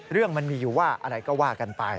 เรื่องมันมีอยู่ว่าอะไรก็ว่ากันไป